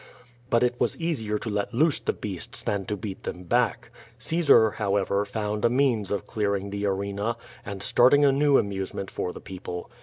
But it was easier to let loose the beasts than to beat them back. Caesar^ however, found a means of clearing the arena^ QUO VADI8. ^ig and starting a new amusement for the people.